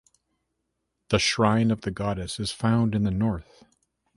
The shrine of the Goddess is found in the north.